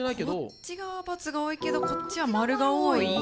こっち側は×が多いけどこっちは○が多い？